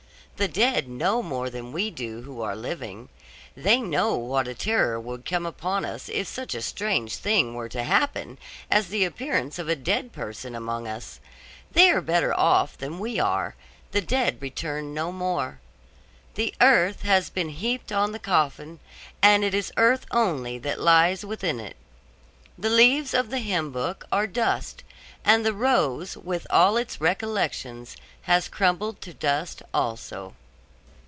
The dead know more than we do who are living. They know what a terror would come upon us if such a strange thing were to happen, as the appearance of a dead person among us. They are better off than we are; the dead return no more. The earth has been heaped on the coffin, and it is earth only that lies within it. The leaves of the hymn book are dust; and the rose, with all its recollections, has crumbled to dust also.